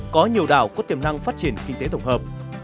có nhiều đảo có tiềm năng phát triển kinh tế tổng hợp